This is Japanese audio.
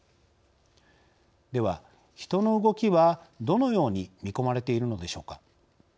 では、人の動きはどのように見込まれているのでしょうか。